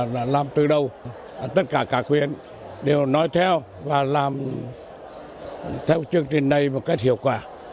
đã làm từ đầu tất cả các huyện đều nói theo và làm theo chương trình này một cách hiệu quả